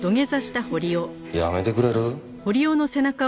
やめてくれる？